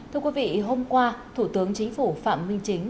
thưa quý vị hôm qua thủ tướng chính phủ phạm minh chính